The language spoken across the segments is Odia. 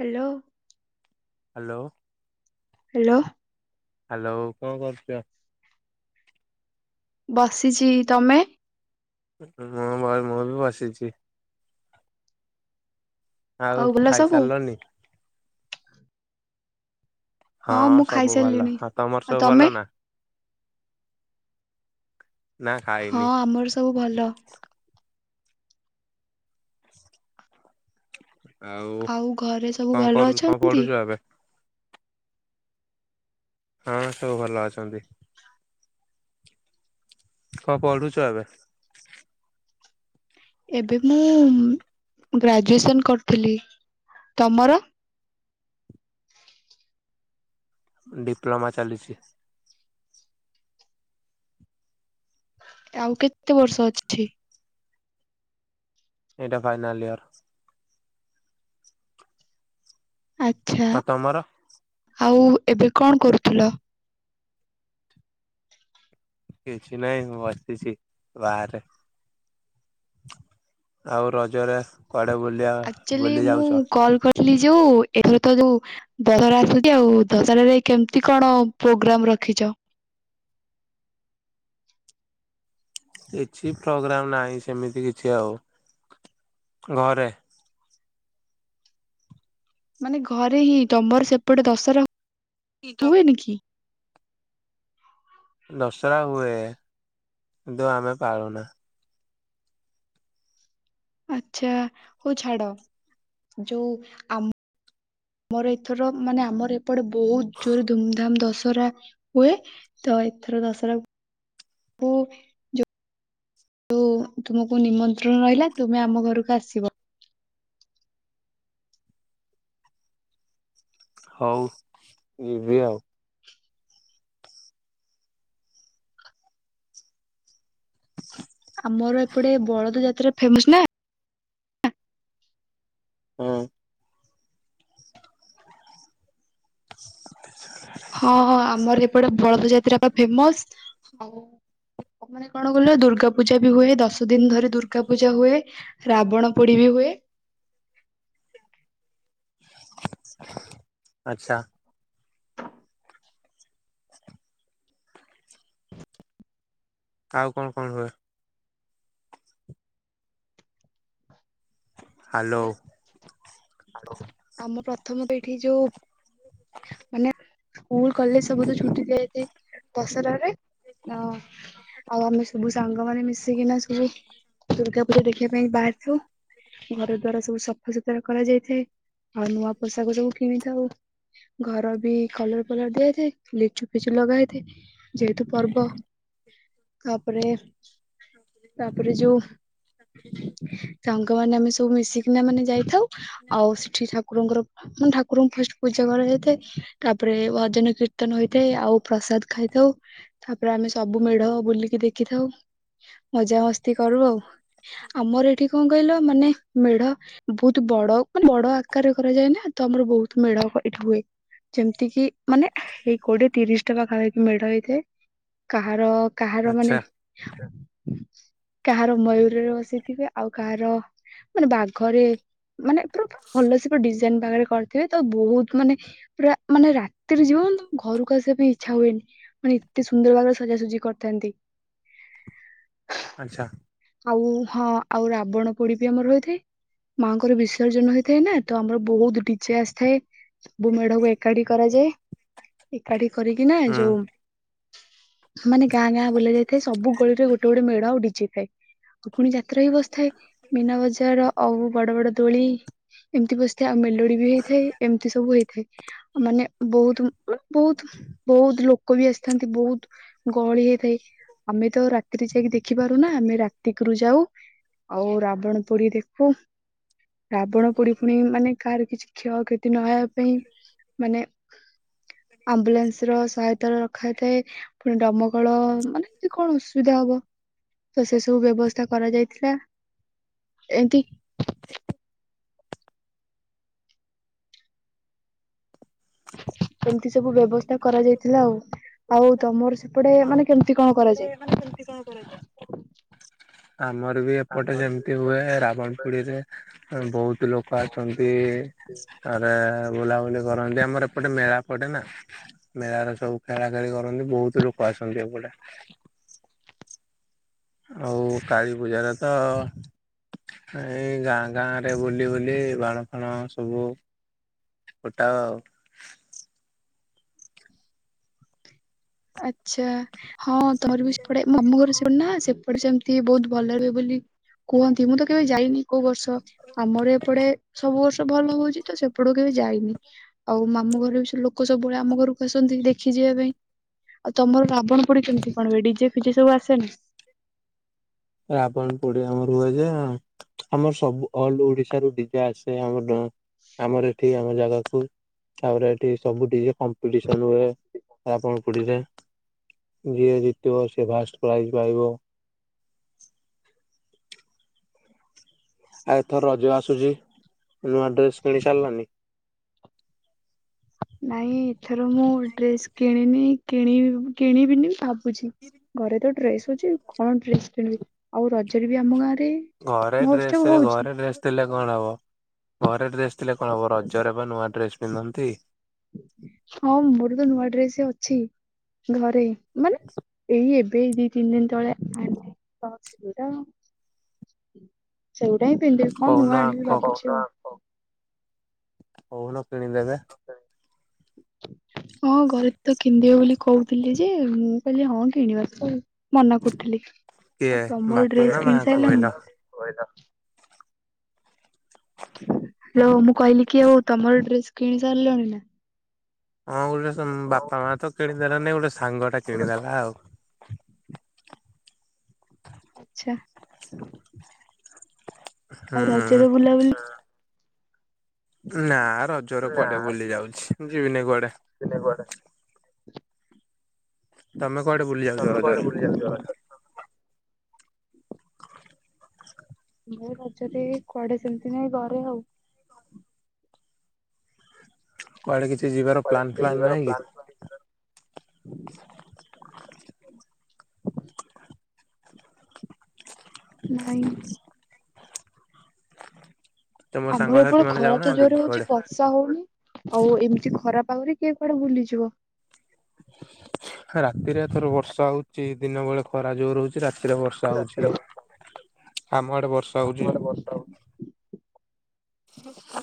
ହାଲୋ। ହାଲୋ। ହାଲୋ। ହାଲୋ କଣ କରୁଛ? ବସିଛି ତମେ? ମୁଁ ମୁଁ ବି ବସିଛି। ଆଉ ଭଲ ସବୁ ଖାଇସାରିଲନି? ହଁ ମୁଁ ସବୁ ଭଲ, ଖାଇସାରିଲିଣି। ହଁ ତମର ଆଉ ସବୁ ତମେ ଭଲ ନା? ନା ହଁ ଖାଇନି? ଆମର ସବୁ ଭଲ। ଆଉ, ଘରେ ସବୁ କଣ ଭଲ କରୁ କଣ ଅଛନ୍ତି? ପଢୁଛୁ ଏବେ? ହଁ ସବୁ ଭଲ ଅଛନ୍ତି। କଣ ପଢୁଛ ଏବେ? ଏବେ ମୁଁ ଗ୍ରାଜୁଏସନ କରୁଥିଲି, ତମର? ଡିପ୍ଲୋମା ଚାଲିଛି। ଆଉ କେତେ ବର୍ଷ ଅଛି? ଏଇଟା ଫାଇନାଲ ଇୟର୍। ଆଚ୍ଛା ଆଉ ତମର? ଆଉ ଏବେ କଣ କରୁଥିଲ? କିଛି ନାଇଁ ମୁଁ ବସିଛି ବାହାରେ। ଆଉ ରଜରେ କୁଆଡ଼େ ବୁଲ ଆକଚୁଆଲି ମୁଁ କଲ୍ କରିଥିଲି ଯୋଉ, ଏଥର ତ ଯୋଉ ଦଶହରା ଆସୁଛି, ଆଉ ଦଶହରାରେ କେମିତି କଣ ପ୍ରୋଗ୍ରାମ ରଖିଛ? କିଛି ପ୍ରୋଗ୍ରାମ ନାହିଁ, ସେମିତି କିଛି ଆଉ ଘରେ। ମାନେ ଘରେ ହିଁ, ତମର ସେପଟେ ଦଶହରା ହୁଏନି କି? ଦଶହରା ହୁଏ କିନ୍ତୁ ଆମେ ପାଳୁନା। ଆଛା ହଉ ଛାଡ଼, ଯୋଉ ଆମ ଆମର ଏଥର ମାନେ ଆମର ଏପଟେ ବହୁତ ଜୋରେ ଧୁମଧାମ ଦଶହରା ହୁଏ ତ ଏଥର ଦଶହରାକୁ ଦଶହରାକୁ ତୁମକୁ ନିମନ୍ତ୍ରଣ ରହିଲା ତୁମେ ଆମ ଘରକୁ ଆସିବ। ହଉ ଯିବି ଆଉ। ଆମର ଏପଟେ ବଳଦ ଯାତ୍ରା ଫେମସ ନା। ହଁ। ଆ ହଁ ଆମର ଏପଟେ ବଳଦ ଯାତ୍ରା ବା ଫେମସ, ଆଉ ତାପରେ କଣ କଇଲ ଦୁର୍ଗା ପୂଜା ବି ହୁଏ ଦଶ ଦିନ ଧରି ଦୁର୍ଗା ପୂଜା ହୁଏ। ରାବଣ ପୋଡ଼ି ବି ହୁଏ। ଆଚ୍ଛା। ଆଉ କଣ କଣ ହୁଏ। ହ୍ୟାଲୋ। ଆମ ପ୍ରଥମ ପିଢ଼ି ଯୋଉ ମାନେ ସ୍କୁଲ କଲେଜ ସବୁ ତ ଛୁଟି ଦିଆଯାଏ ଦଶହରାରେ। ଆଉ ଆମେ ସବୁ ସାଙ୍ଗ ମାନେ ମିଶିକିନା ସବୁ ଦୁର୍ଗା ପୂଜା ଦେଖିବା ପାଇଁ ବାହାରିଥାଉ। ଘର ଦ୍ଵାରା ସବୁ ସଫାସୁତୁରା କରାଯାଇଥାଏ ଆଉ ନୂଆ ପୋଷାକ ସବୁ କିଣିଥାଉ। ଘର ବି କଲର ଫଲର ଦିଆହେଇଥାଏ ଲିଚୁ ଫିଚୁ ଲଗା ହୋଇଥାଏ। ଯେହେତୁ ପର୍ବ ତାପରେ ତାପରେ ଯୋଉ ସାଙ୍ଗ ସାଙ୍ଗ ମାନେ ଆମେ ସବୁ ମିଶିକିନା ମାନେ ଯାଇଥାଉ ଆଉ ସେଠି ଠାକୁରଙ୍କର ମାନେ ଠାକୁରଙ୍କୁ ଫାଷ୍ଟ ପୂଜା କରାଯାଇଥାଏ ତାପରେ ଭଜନ କୀର୍ତ୍ତନ ହୋଇଥାଏ ଆଉ ପ୍ରସାଦ ଖାଇଥାଉ। ତାପରେ ଆମେ ସବୁ ମେଢ଼ ବୁଲିକି ଦେଖିଥାଉ। ମଜାମସ୍ତି କରୁ ଆଉ ଆମର ଏଠି କଣ କହିଲ ମାନେ ମେଢ଼ ବୋହୁତ ବଡ଼ ବଡ଼ ଆକାରରେ କରାଯାଏ ନା ତ ଆମର ବୋହୁତ ମେଢ଼ ଏଇଠି ହୁଏ। ଯେମିତି କିି ମାନେ ଏଇ କୋଡ଼ିଏ ତିରିଶି ଟା ପାଖାପାଖି ମେଢ଼ ହେଇଥାଏ କାହାର କାହାର ଆଚ୍ଛା ମାନେ କାହାର ମୟୂରରେ ବସିଥିବେ ଆଉ କାହାର ମାନେ ବାଘରେ ମାନେ ଭଲ ସେ ପଟେ ଡିଜାଇନ ପାଖରେ କରିଥିବେ ତ ବୋହୁତ ମାନେ ପୁରା ମାନେ ରାତିରେ ଯିବ ତ ଘରକୁ ଆସିବା ପାଇଁ ଇଚ୍ଛା ହୁଏନି। ମାନେ ଏତେ ସୁନ୍ଦର୍ ଭାବରେ ସଜାସଜି କରିଥାନ୍ତି। ଆଚ୍ଛା। ଆଉ ହଁ ଆଉ ରାବଣ ପୋଡି ବି ଆମର ହଇଥାଏ ମାଆଙ୍କର ବିସର୍ଜନ ହୋଇ ଥାଏ ନା ତ ଆମର ବହୁତ ଡିଚେ ଆସିଥାଏ ସବୁ ମେଢକୁ ଏକାଠି କରାଯାଏ। ଏକାଠି କରିକି ନା ହୁଁ। ଯୋଉ ମାନେ ଗାଁ ଗାଁ ବୁଲା ଯାଇଥାଏ ସବୁ ଗଳିରେ ଗୋ ଟେ ଗୋଟେ ମେଢ ଆଉ ଡିଚେ ଥାଏ। ଆଉ ପୁଣି ଯାତ୍ରା ବି ବସ୍ଥାଏ ମୀନା ବଜାର ଆଉ ବଡ ବଡ ଦୋଳି। ଏମ୍ତି ବସିଥାଏ ଆଉ ମେଲୋଡି ବି ହେଇଥାଏ ଏମ୍ତି ସବୁ ହେଇଥାଏ। ମାନେ ବହୁତ ମା ବହୁତ୍ ବୋହୁତ୍ ଲୋକ ବି ଆସ୍ଥାନ୍ତି ବହୁତ୍ ଗହଳି ହେଇଥାଏ। ଆମେ ତ ରାତିରେ ଯାଇକି ଦେଖିପାରୁନା ଆମେ ରାତିକରୁ ଯାଉ। ଆଉ ରାବଣ ପୋଡି ଦେଖୁ ରାବଣ ପୁଡି ପୁଣି ମାନେ କାହାର କିଛି କ୍ଷୟ କ୍ଷତି ନ ହେବା ପାଇଁ ମାନେ ଆମ୍ବୁଲାନ୍ସ୍ ର ସହାୟତା ରଖା ହେଇଥାଏ। ପୁଣି ଡମକଳ ମାନେ ଏତି କଣ ଅସୁବିଧା ହବ। ତ ସେ ସବୁ ବ୍ୟବସ୍ଥା କରାଯାଇଥିଲା। ଏମ୍ତି ଏମ୍ତି ସବୁ ବ୍ୟବସ୍ଥା କରାଯାଇଥିଲା ଆଉ। ଆଉ ତମର ସେପଡେ ମାନେ କେମ୍ତି କଣ କରାଯାଏ। ସେମ୍ତି କଣ କର ଆମର ବି ଏପଟେ ଯେମ୍ତି ହୁଏ ରାବଣ ପୋଡି ହେଇଥାଏ ଅଁ ବୋହୁତ୍ ଲୋକ ଆଛନ୍ତି। ଆରେ ବୁଲାବୁଲି କରନ୍ତି ଆମର ଏପଟେ ମେଳା ପଡେ ନା। ମେଳାର ସବୁ ଖେଳା ଖେଳି କରନ୍ତି ବହୁତ ଲୋକ ଆସନ୍ତି ଏପଟେ। ଆଉ କାଳୀ ପୂଜାରେ ତ ଏଇ ଗାଁ ଗାଁ ରେ ବୁଲି ବୁଲି ବାଣ ଫାଣ ସବୁ ଫୋଟାଉ ଆଉ। ଆଚ୍ଛା ହଁ ତର୍ ଆଚ୍ଛା [unintelligible] ମୋ ମାମୁଁ ଘର ହଁ। ସେପ ନା ସେପଟେ ସେମିତି ବହୁତ ଭଲ ରୁହେ ବୋଲି କୁହନ୍ତି ମୁଁ ତ କେବେ ଯାଇନି କୋଉ ବର୍ଷ। ତ ଆମର ଏପଟେ ସବୁ ବର୍ଷ ଭଲ ହଉଛି ତ ସେପଟକୁ କେବେ ଯାଇନି। ଆଉ ମାମୁଁ ଘରେ ବି ସେ ଲୋକ ସବୁବେଳେ ଆମ ଘରକୁ ଆସନ୍ତି ଦେଖି ଯିବା ପାଇଁ। ଆଉ ତମର ରାବଣ ପୋଡି କେମତି କଣ ହୁଏ ଡିଜେ ଫିଜେ ସବୁ ଆସେନା। ରାବଣ ପୋଡି ଆମର ହୁଏ ଯେ ଆମର ସବୁ ଅଲ ଓଡିଶ ରୁ ଡିଜେ ଆସେ ଆମ ଆମର ଏଠି ଆମ ଜାଗାକୁ ତାପରେ ଏଠି ସବୁ ଡିଜେ କମ୍ପିଟିସନ ହୁଏ ରାବଣ ପୋଡ଼ି ରେ ଯିଏ ଜିତିବ ସିଏ ଫାଷ୍ଟ ପ୍ରାଇଜ ପାଇବ। ଆଉ ଏଥର ରଜ ଆସୁଛି ନୂଆ ଡ୍ରେସ କିଣି ସାରିଲନି। ନାଇଁ ଏଥର ମୁଁ ଡ୍ରେସ କିଣିନି କିଣିନି କିଣିବିନି ଭାବୁଛି। [inaudible] ଘରେ ତ ଡ୍ରେସ ଅଛି କଣ ଡ୍ରେସ୍ କିଣିବି ଆଉ ରଜରେ ବି ଆମ ଗାଁରେ ଘରେ ଡ୍ରେସ ରେ ଘରେ ଡ୍ରେସ ଥିଲେ କଣ ହବ। ଘରେ ଡ୍ରେସ ଥିଲେ କଣ ହବ ରଜରେ ବା ନୂଆ ଡ୍ରେସ ପିନ୍ଧନ୍ତି। ହଁ ମୋର ତ ନୂଆ ଡ୍ରେସ୍ ଅଛି। ଘରେ ମାନେ ଏଇ ଏବେ ଦି ତିନି ଦିନ ତଳେ [unintelligible] ସେଉଡା ହିଁ ପିନ୍ଧିଦେବି କଣ କହୁନ ନୂଆ ଆଣିବି କ ଭାବୁଛି ଆଉ। କହୁନ କିଣିଦେବେ। ହଁ ଘରେ ତ କିଣି ଦେବେ ବୋଲି କହୁଥିଲି ଯେ ମୁଁ କହିଲି ହଁ କିଣିବା ତ ମନା କରୁଥିଲି କିଏ ଆଉ ତମର ବାପା ନା ଡ୍ରେସ ମା କିଣି ସାଇଲଣି କହିଲ? ନା। [inaudible] [inaudible] ହାଲୋ ମୁଁ କହିଲି କି ଆଉ ତମର ଡ୍ରେସ କିଣି ସାରିଲଣି ନା। ହଁ ଗୋଟେ ଡ୍ରେସ୍ ବାପା ମା ତ କିଣିଦେଲାନି ଗୋଟେ ସାଙ୍ଗ ଟା କିଣିଦେଲା ଆଉ। ଆଚ୍ଛା। ଆଉ ହୁଁ। ରଜରେ ବୁଲାବୁଲି ନା ରଜରେ କୁଆଡେ ବୁଲି ଯାଉଛି ଯିବିନି କୁଆଡେ। ଯିଵିନି କୁଆଡେ ତମେ କୁଆଡେ ବୁଲି ଯାଉଛ ତମେ ରଜରେ? କୁଆଡେ ବୁଲିବାକୁ [unintelligible] ମୁ ରଜରେ କୁଆଡେ ସେମିତି ନାଇଁ ଘରେ ଆଉ। କୁଆଡେ କିଛି ଯିବାର ପ୍ଲାନ୍ ଫ୍ଲାନ୍ ନାହିଁ କି? ନାହିଁ। ତମ ଆମର ସାଙ୍ଗସାଥି ଏତଳେ ମାନେ ଖରା ତ ଯାଉନାହାନ୍ତି କି ଜୋରେ ହଉଛି କୁଆଡେ? ବ ର୍ଷା ହଉନି ଆଉ ଏମିତି ଖରା ପାଗରେ କିଏ କୁଆଡେ ବୁଲିଯିବ। ରାତିରେ ଏଥର ବର୍ଷା ହଉଛି ଦିନ ବେଳେ ଖରା ଜୋର ହଉଛି ରାତିରେ ବର୍ଷା ହଉଛି ଆମ ଆଡେ ବର୍ଷା ହଉଛି। ଆମ ଆଡେ ବର୍ଷା ହଉ [inaudible]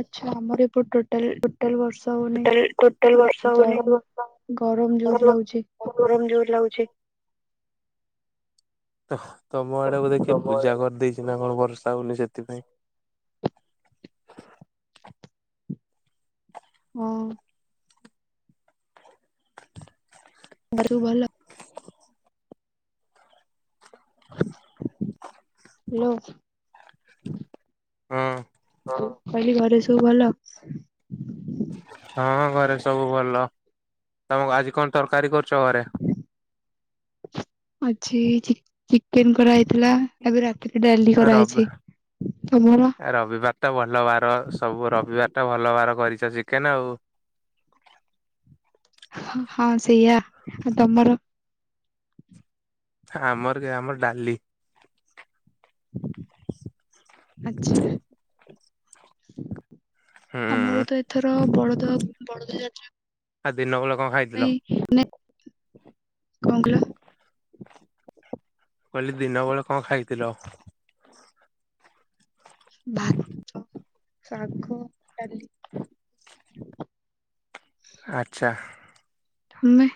ଆଚ୍ଛା ଆମର ଏପଟେ ଟୋଟାଲ୍ ଟୋଟାଲ ବର୍ଷା ହଉନି। ଟୋଟାଲ ଟୋଟାଲ ବର୍ଷା ହଉନି [unintelligible] ଗରମ ଜୋରେ ଲାଗୁଛି। ଗରମ ଯୋରେ ଲାଗୁଛି। ତଃ ତମ ଆଡେ ବୋଧେ କିଏ ପୂଜା କରିଦେଇଛି ନା କଣ ବର୍ଷା ହଉନି ସେଥିପାଇଁ। ହଁ। ଘରେ ସବୁ ଭଲ। ହାଲୋ। ହଁ। ମୁଁ କହିଲି ଘରେ ସବୁ ଭଲ। ହଁ ଘରେ ସବୁ ଭଲ ତମ ଆଜି କଣ ତରକାରୀ କରୁଛ ଘରେ। ଆଜି ଚିକ ଚିକେନ କରାହେଇଥିଲା ଏବେ ରାତିରେ ଡାଲି କରାହେଇଛି ତମର। ଆ ରବିବାର ଟା ଭଲ ବାର ସବୁ ରବିବାର ଟା ଭଲ ବାର କରିଛ ଚିକେନ ଆଉ। ହଁ ହଁ ସେଇଆ ଆଉ ତମର? ହା ଆମର କେ ଆମର ଡାଲି। ଆଛା। ହୁଁ ଆମର ତ ଏଥର ବଳଦ ବଳଦ ଯାତ୍ରା ଆ ଦିନ ବେଳେ କଁ ଖାଇ ପାଇଁ ମାନେ କଁ କଲ? କହିଲି ଦିନ ବେଳେ କଁ ଖାଇଥିଲ? ଭାତ, ଶାଗ, ଡାଲି। ଆଛା। ହୁମେ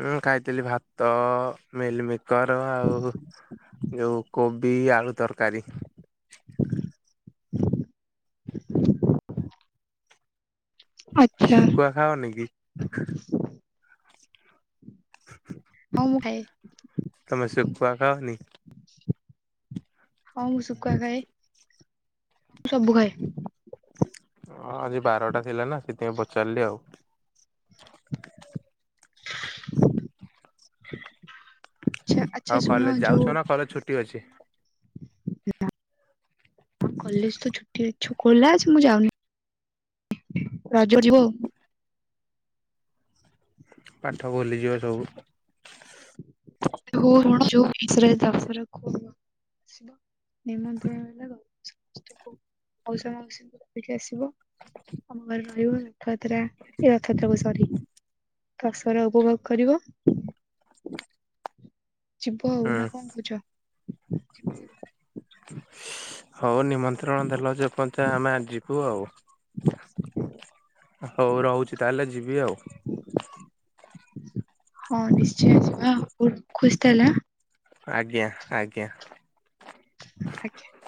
ମୁଁ ଖାଇଥିଲି ଭାତ ମିଲ୍ ମିକ୍ କର ଆଉ ଯଉ କୋବି ଆଳୁ ତରକାରୀ। ହ [inaudible] ଆଛା। ଖାଅନି କି ହଁ ମୁଁ ଖାଏ ତମେ ଶୁଖୁଆ ଖାଅନିି? ହଁ ମୁଁ ଶୁଖୁଆ ଖାଏ ସବୁ ଖାଏ। ହଁ ଆଜି ବାରଟା ଥିଲା ନା ସେଥିପାଇଁ ପଚାରିଲି ଆଉ। ହ [inaudible] ଆଚ୍ଛା ଆଉ ଶୁଣ କଲେଜ ଯୋଉ ଯାଉଛ ନା କଲେଜ ଛୁଟି ଅଛି? [unintelligible] କଲେଜ ତ ଛୁଟି ଅଛୁ ଖୋଲା ଅଛି ମୁଁ ଯାଉନି। ରଜ ଯିବୋ ପାଠ ଭୁଲିଯିବ ସବୁ। [unintelligible] ବହୁତ୍ ବଡ ଯୋଉ ଇସରେ ଦସରେ କୁହିବ। ସେଦ ନିମନ୍ତ୍ରଣ ହେଲାଦ ସମସ୍ତଙ୍କୁ ମଉସା ମାଉସୀ ଧରିକି ଆସିବ ଆମ ଘରେ ରହିବ ରଥଯାତ୍ରା ଏ ରଥଯାତ୍ରା କୁ ସରି। ତସରେ ଉପଭୋଗ କରିବ ଯିବ ଆଉ ନା କଁ କହୁଚ? ଯିବ ଆଉ ହଉ ନିମନ୍ତ୍ରଣ ଦେଲ ଯେ ପଞ୍ଚା ଆମେ ଆ ଯିବୁ ଆଉ। ହଉ ରହୁଛି ତାହେଲେ ଯିବି ଆଉ। ହଁ ନିଶ୍ଚୟ ଯିବା ଆଉ ହୁ ରଖୁଛି ତାହାଲା। ଆଜ୍ଞା ଆଜ୍ଞା। ଆଜ୍ଞା।